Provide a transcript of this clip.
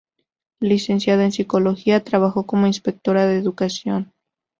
Licenciada en Psicología, trabajó como inspectora de educación.